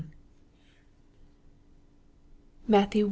MATTHEW I.